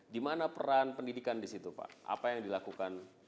di mana peran pendidikan di situ pak apa yang dilakukan